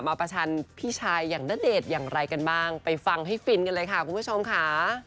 ประชันพี่ชายอย่างณเดชน์อย่างไรกันบ้างไปฟังให้ฟินกันเลยค่ะคุณผู้ชมค่ะ